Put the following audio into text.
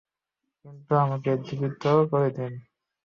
কিন্তু আমাকে জীবিত করে দিন।